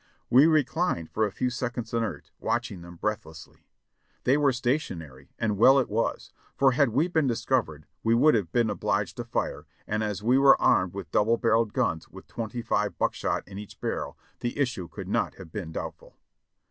We reclined for a few seconds inert, watching them breathlessly. They were stationary, and well it was, for had we been discovered we would have been obliged to fire, and as we were armed with double barreled guns with twenty five buckshot in each barrel, the issue could not have been doubtful.